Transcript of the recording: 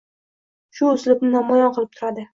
Shu uslubini namoyon qilib turadi.